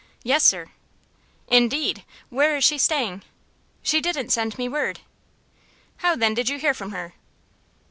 "Yes, sir." "Indeed! Where is she staying?" "She didn't send me word." "How, then, did you hear from her?"